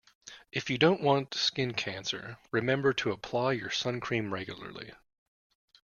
If you don't want skin cancer, remember to apply your suncream regularly